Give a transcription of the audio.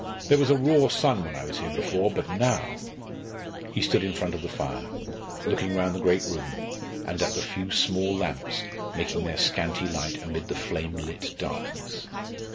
There was a raw sun when I was here before, but now " He stood in front of the fire, looking round the great room, and at the few small lamps making their scanty light amid the flame lit darkness.